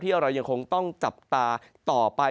เรายังคงต้องจับตาต่อไป